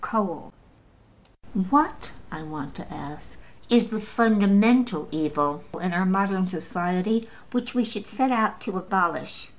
Cole: What, I want to ask, is the fundamental evil in our modern Society which we should set out to abolish?